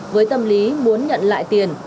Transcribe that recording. với tâm lý muốn nhận lại tiền